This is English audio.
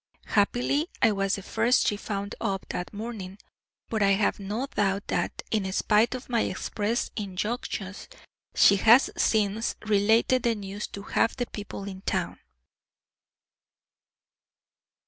Happily, I was the first she found up that morning, but I have no doubt that, in spite of my express injunctions, she has since related the news to half the people in town."